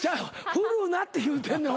振るなって言うてんねん。